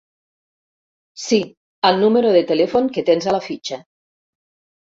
Sí, al número de telèfon que tens a la fitxa.